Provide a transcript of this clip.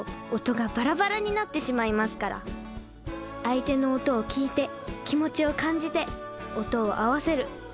相手の音を聴いて気持ちを感じて音を合わせる。